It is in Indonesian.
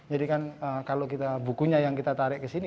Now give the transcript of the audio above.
jadi kalau bukunya yang kita tarik ke sini